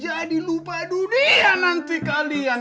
jadi lupa dunia nanti kalian